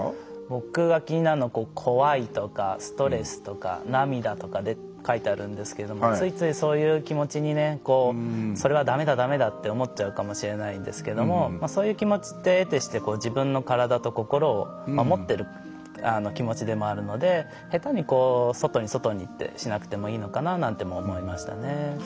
僕が気になるのは「怖い」とか「ストレス」とか「涙」とか書いてあるんですけどついついそういう気持ちにねそれはだめだだめだって思っちゃうかもしれないんですけどもそういう気持ちってえてして自分の体と心を守ってる気持ちでもあるので下手に外に外にってしなくてもいいのかななんても思いましたね。